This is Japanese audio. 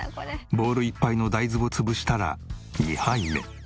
ボウルいっぱいの大豆を潰したら２杯目。